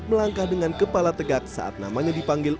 melangkah dengan kepala tegak saat namanya dipanggil